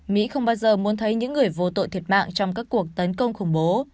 mỹ không bao giờ muốn thấy những người vô tội thiệt mạng trong các cuộc tấn công khủng bố